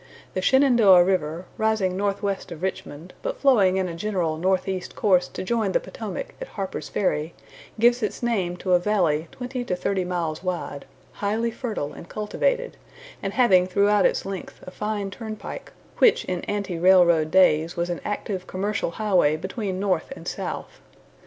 The Shenandoah River, rising northwest of Richmond, but flowing in a general northeast course to join the Potomac at Harper's Ferry, gives its name to a valley twenty to thirty miles wide, highly fertile and cultivated, and having throughout its length a fine turnpike, which in ante railroad days was an active commercial highway between North and South.